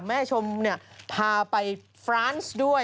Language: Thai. แม่ชมพาไปฟรานซ์ด้วย